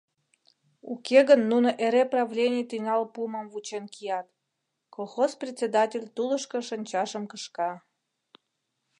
Уке гын нуно эре правлений тӱҥал пуымым вучен кият! — колхоз председатель тулышко шанчашым кышка.